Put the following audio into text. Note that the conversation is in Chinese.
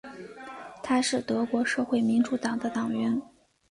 他是德国社会民主党的党员。